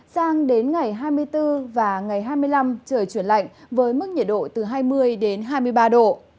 sang đến ngày hai mươi bốn và ngày hai mươi năm trời chuyển lạnh với mức nhiệt độ từ hai mươi đến hai mươi ba độ